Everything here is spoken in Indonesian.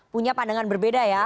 punya pandangan berbeda ya